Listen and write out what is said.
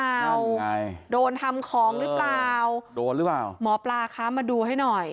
โดนทำของหรือเปล่าโดนหรือเปล่าหมอปลาคะมาดูให้หน่อย